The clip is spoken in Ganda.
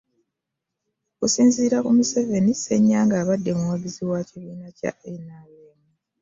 Okusinziira ku Museveni Ssenyange abadde muwagizi wa kibiina kya NRM